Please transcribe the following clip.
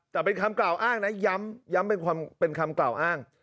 แต่เป็นคำกล่าวอ้างนะย้ำเป็นคำกล่าวอ้าง